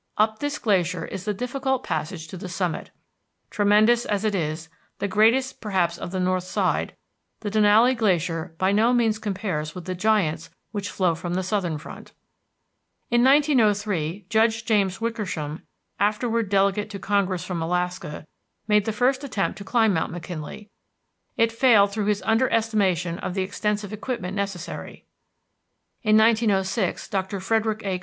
Up this glacier is the difficult passage to the summit. Tremendous as it is, the greatest perhaps of the north side, the Denali Glacier by no means compares with the giants which flow from the southern front. In 1903 Judge James Wickersham, afterward Delegate to Congress from Alaska, made the first attempt to climb McKinley; it failed through his underestimation of the extensive equipment necessary. In 1906 Doctor Frederick A.